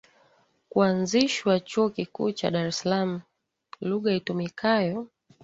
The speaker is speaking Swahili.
kuanzishwa Chuo kikuu cha Dar es salaama Lugha itumikayo